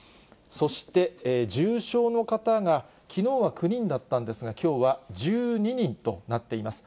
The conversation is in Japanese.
そして、重症の方がきのうは９人だったんですが、きょうは１２人となっています。